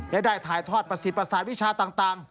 และได้ถ่ายทอดประสิทธิประสาทวิชาต่าง